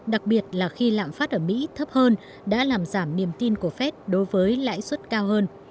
đặc biệt là khi lạm phát ở mỹ thấp hơn đã làm giảm niềm tin của fed đối với lãi suất cao hơn